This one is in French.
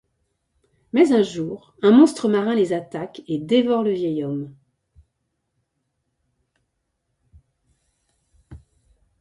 Mais un jour, un monstre marin les attaque et dévore le vieil homme.